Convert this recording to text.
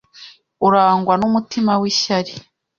Urangwa n’umutima w’ishyari